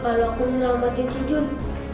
kalau aku melamatkan si jun